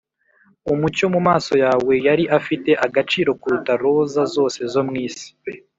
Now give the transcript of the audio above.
umucyo mumaso yawe yari afite agaciro kuruta roza zose zo mwisi.